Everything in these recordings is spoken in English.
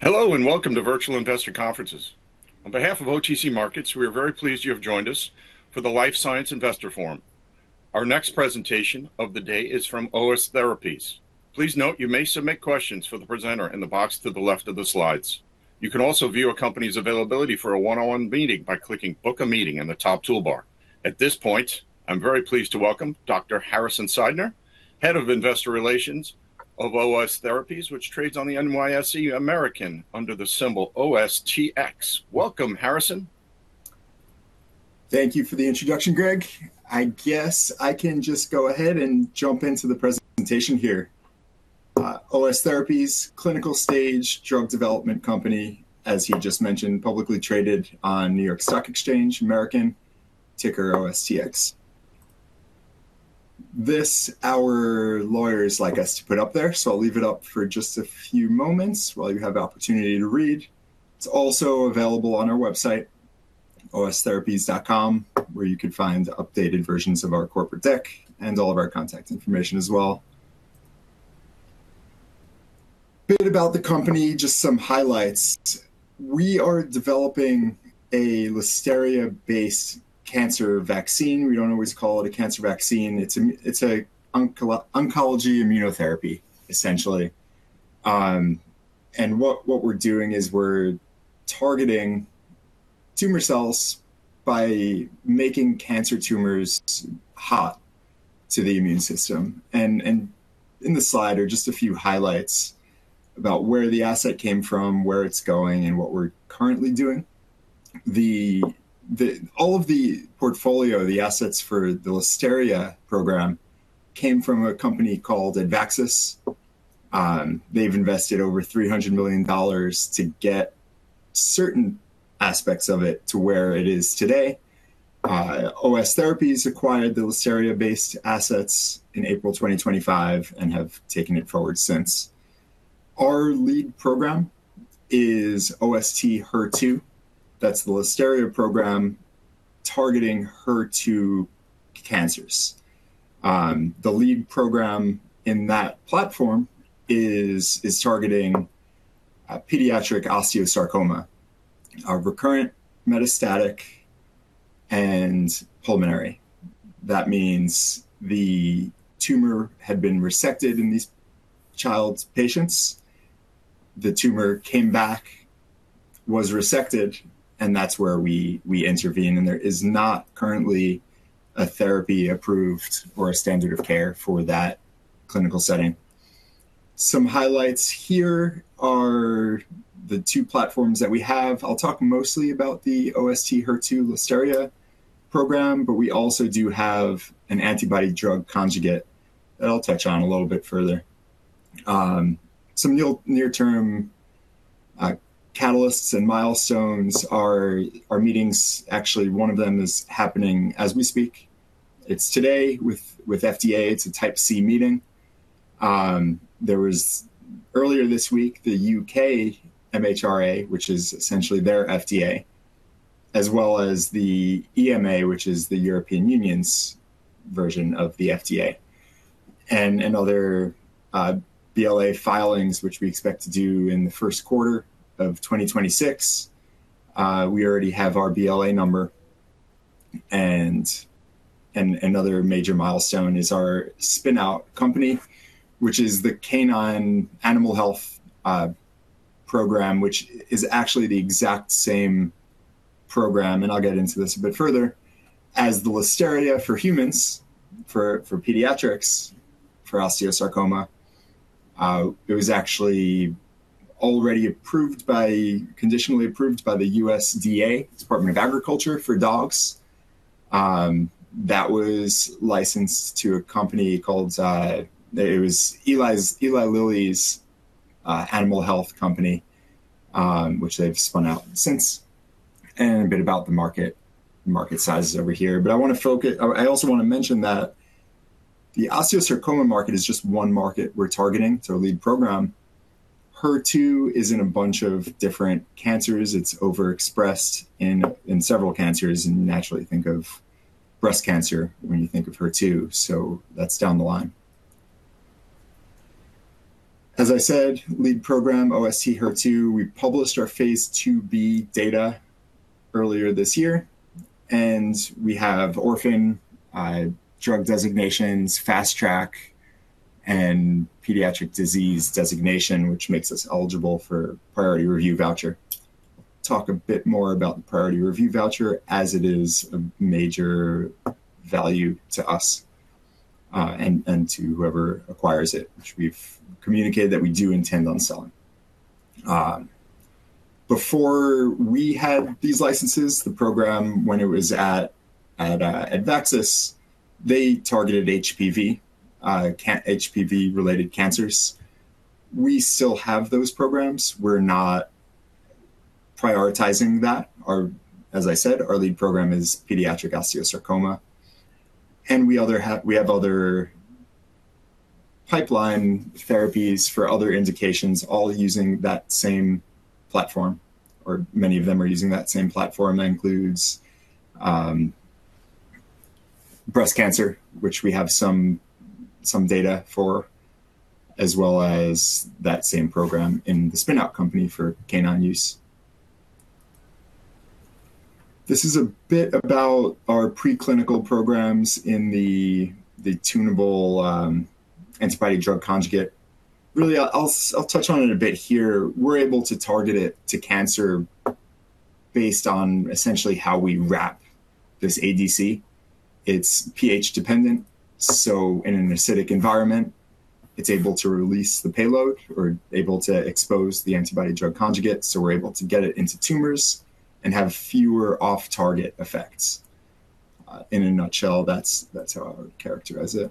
Hello and welcome to Virtual Investor Conferences. On behalf of OTC Markets, we are very pleased you have joined us for the Life Science Investor Forum. Our next presentation of the day is from OS Therapies. Please note you may submit questions for the presenter in the box to the left of the slides. You can also view a company's availability for a one-on-one meeting by clicking "Book a Meeting" in the top toolbar. At this point, I'm very pleased to welcome Dr. Harrison Seidner, Head of Investor Relations of OS Therapies, which trades on the NYSE American under the symbol OSTX. Welcome, Harrison. Thank you for the introduction, Greg. I guess I can just go ahead and jump into the presentation here. OS Therapies, clinical-stage drug development company, as he just mentioned, publicly traded on the NYSE American, ticker OSTX. This our lawyers like us to put up there, so I'll leave it up for just a few moments while you have the opportunity to read. It's also available on our website, ostherapies.com, where you can find updated versions of our corporate deck and all of our contact information as well. Bit about the company, just some highlights. We are developing a Listeria-based cancer vaccine. We don't always call it a cancer vaccine. It's an oncology immunotherapy, essentially. And what we're doing is we're targeting tumor cells by making cancer tumors hot to the immune system. In the slide are just a few highlights about where the asset came from, where it's going, and what we're currently doing. All of the portfolio, the assets for the Listeria program, came from a company called Advaxis. They've invested over $300 million to get certain aspects of it to where it is today. OS Therapies acquired the Listeria-based assets in April 2025 and have taken it forward since. Our lead program is OST-HER2. That's the Listeria program targeting HER2 cancers. The lead program in that platform is targeting pediatric osteosarcoma, recurrent, metastatic, and pulmonary. That means the tumor had been resected in these child patients. The tumor came back, was resected, and that's where we intervene. And there is not currently a therapy approved or a standard of care for that clinical setting. Some highlights here are the two platforms that we have. I'll talk mostly about the OST-HER2 Listeria program, but we also do have an antibody-drug conjugate that I'll touch on a little bit further. Some near-term catalysts and milestones are meetings. Actually, one of them is happening as we speak. It's today with FDA. It's a Type C meeting. There was earlier this week the U.K. MHRA, which is essentially their FDA, as well as the EMA, which is the European Union's version of the FDA, and other BLA filings, which we expect to do in the first quarter of 2026. We already have our BLA number. Another major milestone is our spinout company, which is the Canine Animal Health Program, which is actually the exact same program, and I'll get into this a bit further, as the Listeria for humans, for pediatrics, for osteosarcoma. It was actually already approved by, conditionally approved by the USDA, U.S. Department of Agriculture, for dogs. That was licensed to a company called it was Eli Lilly's Animal Health Company, which they've spun out since. A bit about the market, market size is over here. But I want to focus. I also want to mention that the osteosarcoma market is just one market we're targeting, so lead program. HER2 is in a bunch of different cancers. It's overexpressed in several cancers, and naturally, think of breast cancer when you think of HER2. So that's down the line. As I said, lead program, OST-HER2. We published our phase II-B data earlier this year. We have Orphan Drug designations, Fast Track, and Pediatric Disease Designation, which makes us eligible for Priority Review Voucher.. I'll talk a bit more about the Priority Review Voucher., as it is of major value to us and to whoever acquires it, which we've communicated that we do intend on selling. Before we had these licenses, the program, when it was at Advaxis, they targeted HPV, HPV-related cancers. We still have those programs. We're not prioritizing that. As I said, our lead program is pediatric osteosarcoma, and we have other pipeline therapies for other indications, all using that same platform, or many of them are using that same platform. That includes breast cancer, which we have some data for, as well as that same program in the spinout company for canine use. This is a bit about our preclinical programs in the tunable antibody-drug conjugate. Really, I'll touch on it a bit here. We're able to target it to cancer based on essentially how we wrap this ADC. It's pH dependent. So in an acidic environment, it's able to release the payload or able to expose the antibody-drug conjugate. So we're able to get it into tumors and have fewer off-target effects. In a nutshell, that's how I would characterize it.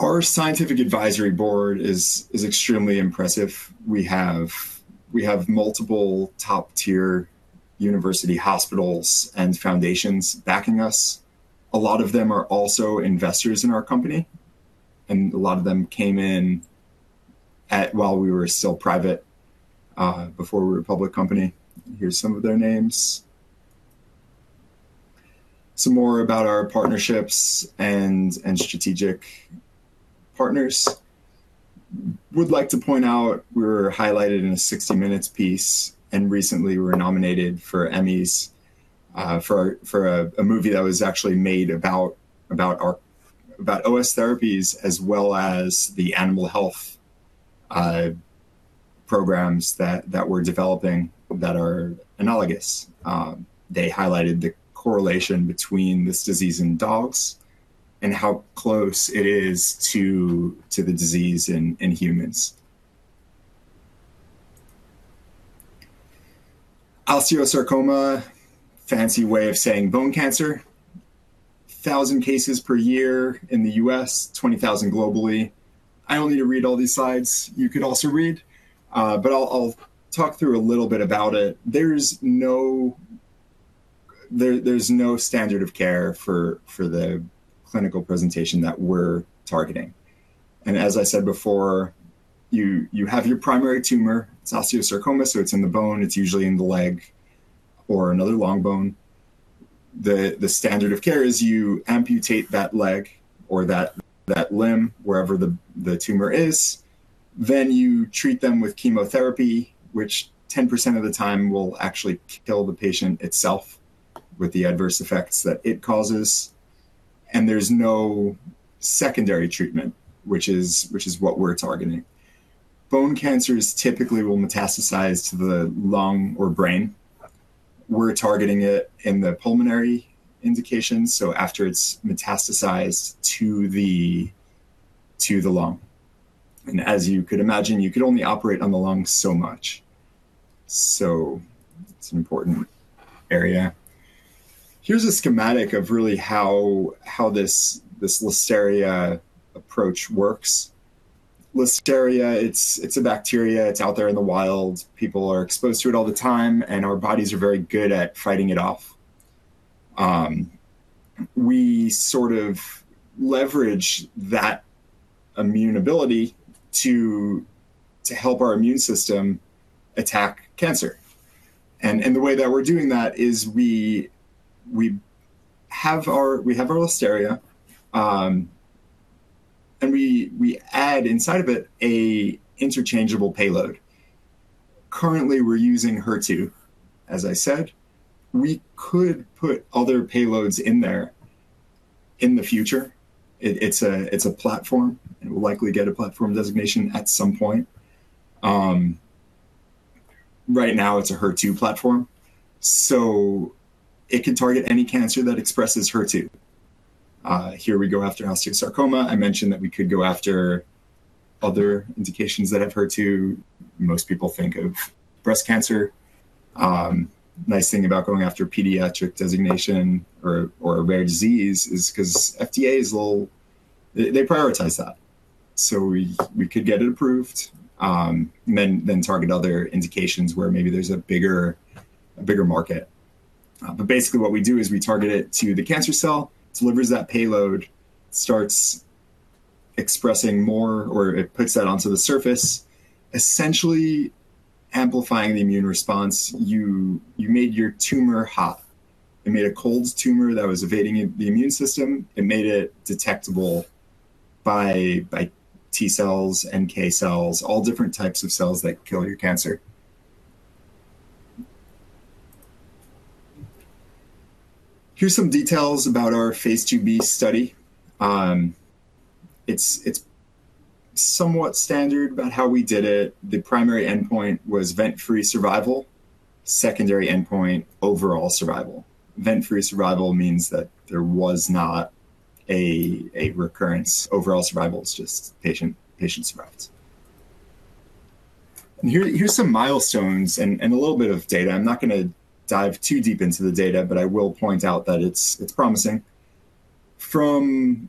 Our scientific advisory board is extremely impressive. We have multiple top-tier university hospitals and foundations backing us. A lot of them are also investors in our company. And a lot of them came in while we were still private, before we were a public company. Here's some of their names. Some more about our partnerships and strategic partners. Would like to point out we were highlighted in a 60 Minutes piece, and recently we were nominated for Emmys for a movie that was actually made about OS Therapies, as well as the animal health programs that we're developing that are analogous. They highlighted the correlation between this disease in dogs and how close it is to the disease in humans. Osteosarcoma, fancy way of saying bone cancer. 1,000 cases per year in the U.S., 20,000 globally. I don't need to read all these slides. You could also read, but I'll talk through a little bit about it. There's no standard of care for the clinical presentation that we're targeting, and as I said before, you have your primary tumor. It's osteosarcoma, so it's in the bone. It's usually in the leg or another long bone. The standard of care is you amputate that leg or that limb, wherever the tumor is. Then you treat them with chemotherapy, which 10% of the time will actually kill the patient itself with the adverse effects that it causes, and there's no secondary treatment, which is what we're targeting. Bone cancers typically will metastasize to the lung or brain. We're targeting it in the pulmonary indication, so after it's metastasized to the lung. and as you could imagine, you could only operate on the lung so much. so it's an important area. Here's a schematic of really how this Listeria approach works. Listeria, it's a bacteria. It's out there in the wild. People are exposed to it all the time, and our bodies are very good at fighting it off. We sort of leverage that immune ability to help our immune system attack cancer. and the way that we're doing that is we have our Listeria, and we add inside of it an interchangeable payload. Currently, we're using HER2, as I said. We could put other payloads in there in the future. It's a platform, and we'll likely get a platform designation at some point. Right now, it's a HER2 platform. So it can target any cancer that expresses HER2. Here we go after osteosarcoma. I mentioned that we could go after other indications that have HER2. Most people think of breast cancer. Nice thing about going after pediatric designation or a rare disease is because FDA is a little they prioritize that. So we could get it approved, then target other indications where maybe there's a bigger market. But basically, what we do is we target it to the cancer cell, delivers that payload, starts expressing more, or it puts that onto the surface, essentially amplifying the immune response. You made your tumor hot. It made a cold tumor that was evading the immune system. It made it detectable by T cells, NK cells, all different types of cells that kill your cancer. Here's some details about our phase II-B study. It's somewhat standard about how we did it. The primary endpoint was event-free survival. Secondary endpoint, overall survival. Event-free survival means that there was not a recurrence. Overall survival is just patient survival, and here's some milestones and a little bit of data. I'm not going to dive too deep into the data, but I will point out that it's promising. From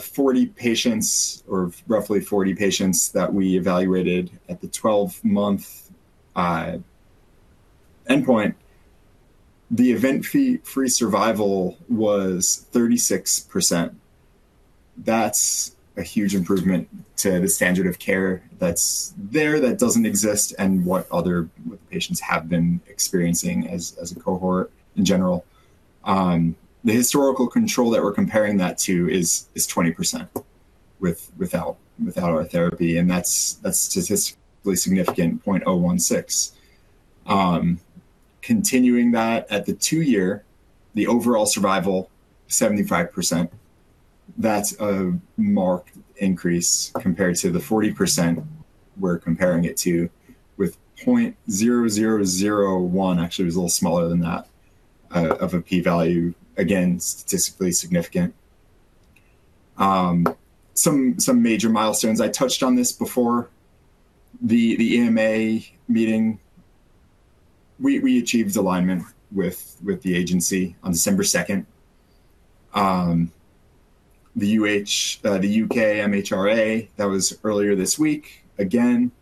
40 patients, or roughly 40 patients that we evaluated at the 12-month endpoint, the event-free survival was 36%. That's a huge improvement to the standard of care that's there, that doesn't exist, and what other patients have been experiencing as a cohort in general. The historical control that we're comparing that to is 20% without our therapy, and that's statistically significant, 0.016. Continuing that at the two-year, the overall survival, 75%. That's a marked increase compared to the 40% we're comparing it to with 0.0001, actually was a little smaller than that, of a p-value. Again, statistically significant. Some major milestones. I touched on this before. The EMA meeting, we achieved alignment with the agency on December 2nd. The U.K. MHRA, that was earlier this week, again,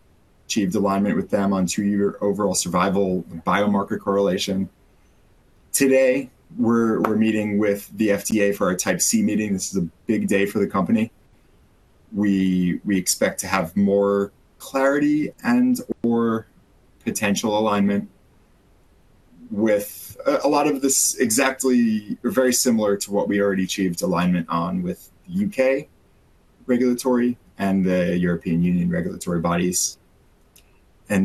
achieved alignment with them on two-year overall survival, biomarker correlation. Today, we're meeting with the FDA for our type C meeting. This is a big day for the company. We expect to have more clarity and/or potential alignment with a lot of this exactly very similar to what we already achieved alignment on with the U.K. regulatory and the European Union regulatory bodies.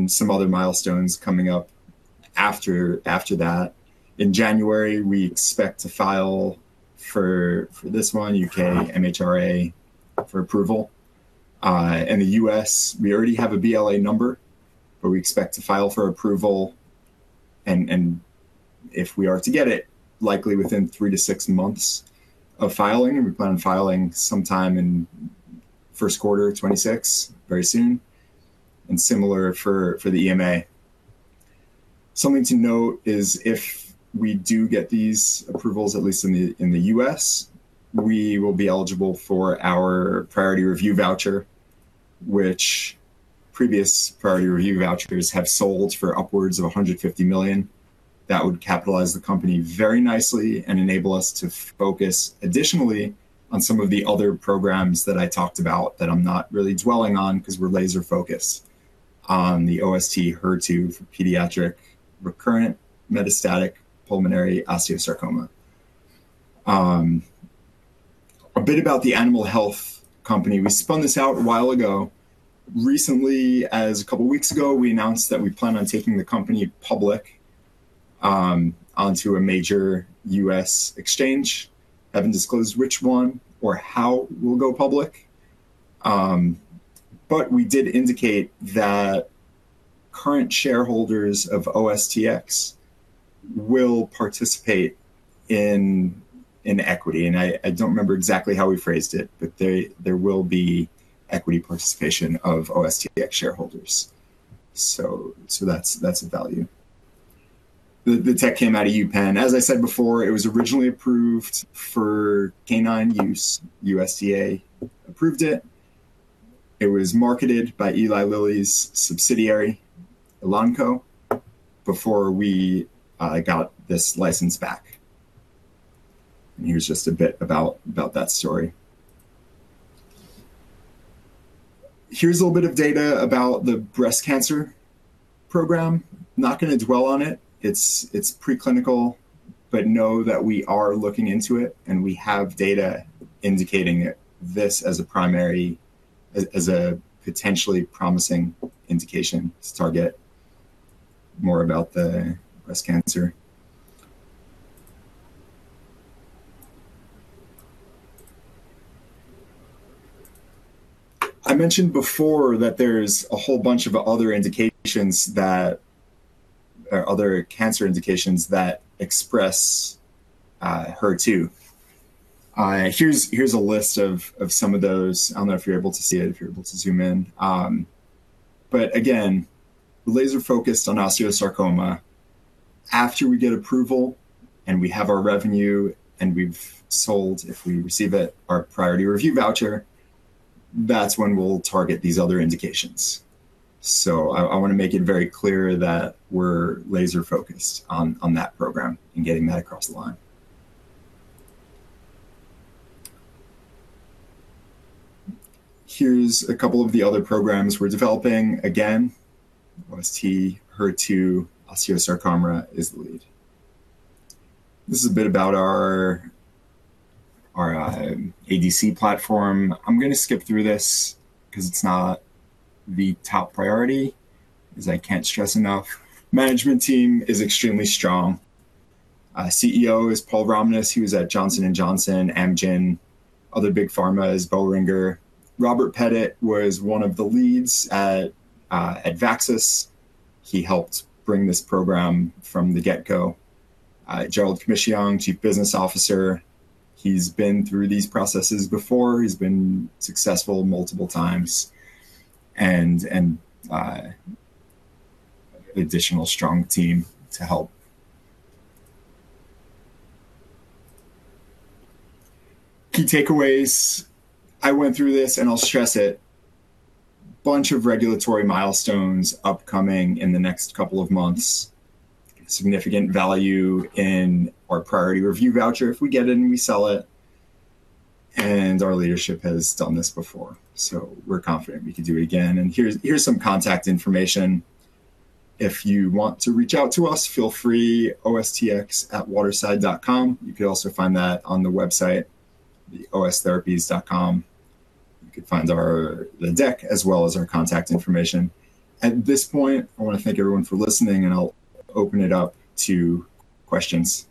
Some other milestones coming up after that. In January, we expect to file for this one, U.K. MHRA, for approval. In the U.S., we already have a BLA number, but we expect to file for approval, and if we are to get it, likely within three to six months of filing. We plan on filing sometime in first quarter 2026, very soon, and similar for the EMA. Something to note is if we do get these approvals, at least in the U.S., we will be eligible for our Priority Review Voucher., which previous Priority Review Voucher.s have sold for upwards of $150 million. That would capitalize the company very nicely and enable us to focus additionally on some of the other programs that I talked about that I'm not really dwelling on because we're laser-focused on the OST-HER2 for pediatric recurrent metastatic pulmonary osteosarcoma. A bit about the animal health company. We spun this out a while ago. Recently, as a couple of weeks ago, we announced that we plan on taking the company public onto a major U.S. exchange. I haven't disclosed which one or how we'll go public. But we did indicate that current shareholders of OSTX will participate in equity. And I don't remember exactly how we phrased it, but there will be equity participation of OSTX shareholders. So that's a value. The tech came out of UPenn. As I said before, it was originally approved for canine use. USDA approved it. It was marketed by Eli Lilly's subsidiary, Elanco, before we got this license back. And here's just a bit about that story. Here's a little bit of data about the breast cancer program. Not going to dwell on it. It's preclinical, but know that we are looking into it, and we have data indicating this as a potentially promising indication to target more about the breast cancer. I mentioned before that there's a whole bunch of other indications that are other cancer indications that express HER2. Here's a list of some of those. I don't know if you're able to see it, if you're able to zoom in. But again, laser-focused on osteosarcoma. After we get approval and we have our revenue and we've sold, if we receive our Priority Review Voucher., that's when we'll target these other indications. I want to make it very clear that we're laser-focused on that program and getting that across the line. Here's a couple of the other programs we're developing. Again, OST-HER2 osteosarcoma is the lead. This is a bit about our ADC platform. I'm going to skip through this because it's not the top priority, as I can't stress enough. Management team is extremely strong. CEO is Paul Romness. He was at Johnson & Johnson, Amgen, other big pharmas, Boehringer Ingelheim. Robert Petit was one of the leads at Advaxis. He helped bring this program from the get-go. Gerald Commissiong, Chief Business Officer. He's been through these processes before. He's been successful multiple times. And additional strong team to help. Key takeaways. I went through this, and I'll stress it. A bunch of regulatory milestones upcoming in the next couple of months. Significant value in our Priority Review Voucher if we get it and we sell it. And our leadership has done this before. So we're confident we can do it again. And here's some contact information. If you want to reach out to us, feel free. OSTX@waterside.com. You can also find that on the website, the ostherapies.com. You can find the deck as well as our contact information. At this point, I want to thank everyone for listening, and I'll open it up to questions.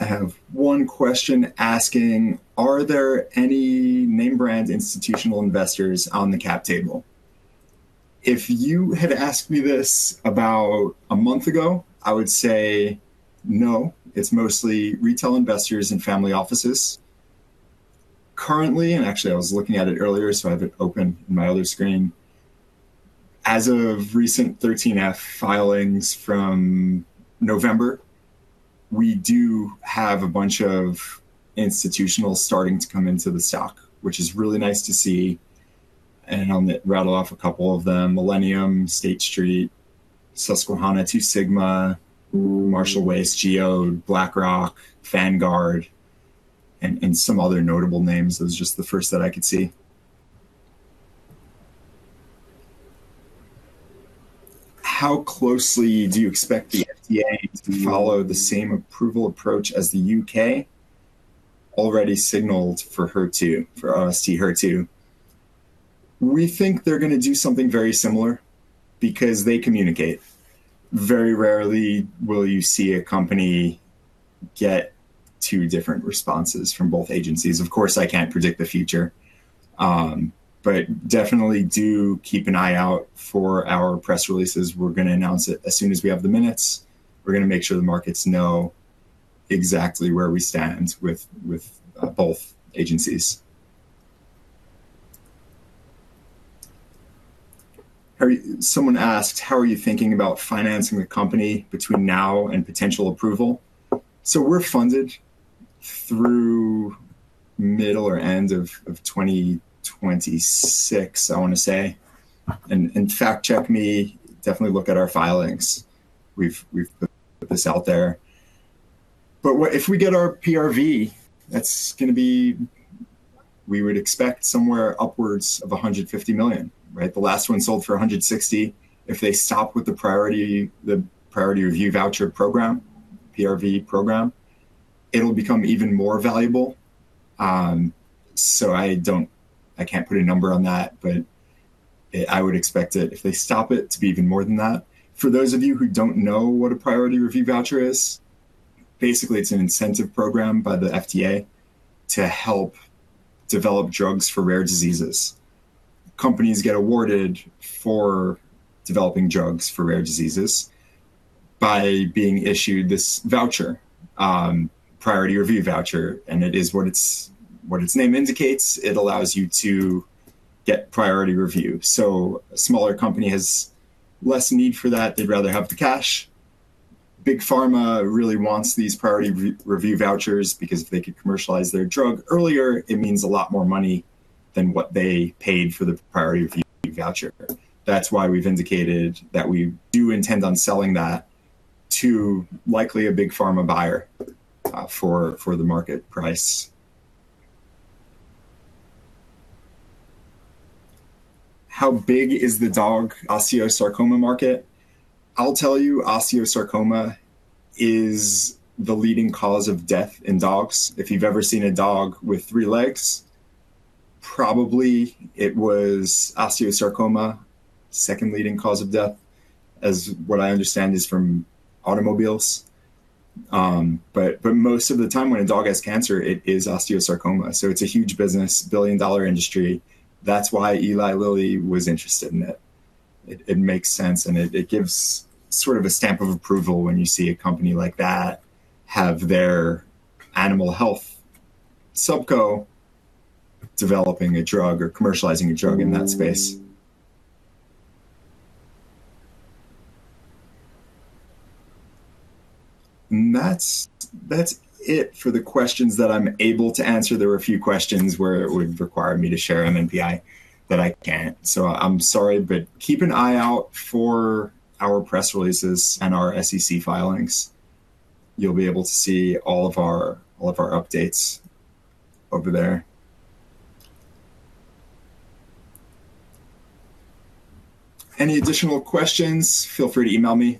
I have one question asking, are there any name brand institutional investors on the cap table? If you had asked me this about a month ago, I would say no. It's mostly retail investors and family offices. Currently, and actually, I was looking at it earlier, so I have it open on my other screen. As of recent 13F filings from November, we do have a bunch of institutionals starting to come into the stock, which is really nice to see, and I'll rattle off a couple of them: Millennium, State Street, Susquehanna, Two Sigma, Marshall Wace, Geode, BlackRock, Vanguard, and some other notable names. That was just the first that I could see. How closely do you expect the FDA to follow the same approval approach as the U.K.? Already signaled for HER2, for OST-HER2. We think they're going to do something very similar because they communicate. Very rarely will you see a company get two different responses from both agencies. Of course, I can't predict the future. But definitely do keep an eye out for our press releases. We're going to announce it as soon as we have the minutes. We're going to make sure the markets know exactly where we stand with both agencies. Someone asked, how are you thinking about financing the company between now and potential approval, so we're funded through middle or end of 2026, I want to say, and fact-check me. Definitely look at our filings. We've put this out there. But if we get our PRV, that's going to be we would expect somewhere upwards of $150 million, right? The last one sold for $160 million. If they stop with the Priority Review Voucher program, PRV program, it'll become even more valuable. So I can't put a number on that, but I would expect it, if they stop it, to be even more than that. For those of you who don't know what a Priority Review Voucher. is, basically, it's an incentive program by the FDA to help develop drugs for rare diseases. Companies get awarded for developing drugs for rare diseases by being issued this voucher, Priority Review Voucher.. And it is what its name indicates. It allows you to get priority review. So a smaller company has less need for that. They'd rather have the cash. Big pharma really wants these Priority Review Voucher.s because if they could commercialize their drug earlier, it means a lot more money than what they paid for the Priority Review Voucher.. That's why we've indicated that we do intend on selling that to likely a big pharma buyer for the market price. How big is the dog osteosarcoma market? I'll tell you, osteosarcoma is the leading cause of death in dogs. If you've ever seen a dog with three legs, probably it was osteosarcoma, second leading cause of death, as what I understand is from automobiles. But most of the time when a dog has cancer, it is osteosarcoma. So it's a huge business, billion-dollar industry. That's why Eli Lilly was interested in it. It makes sense, and it gives sort of a stamp of approval when you see a company like that have their animal health subco developing a drug or commercializing a drug in that space. And that's it for the questions that I'm able to answer. There were a few questions where it would require me to share MNPI that I can't. So I'm sorry, but keep an eye out for our press releases and our SEC filings. You'll be able to see all of our updates over there. Any additional questions, feel free to email me.